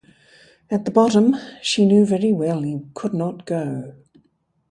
At the bottom, she knew very well he could not go.